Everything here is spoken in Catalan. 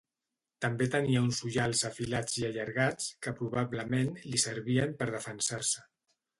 També tenia uns ullals afilats i allargats que probablement li servien per defensar-se.